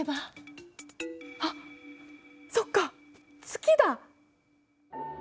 あっそっか月だ！